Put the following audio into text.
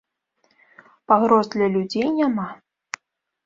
Пагроз для людзей няма.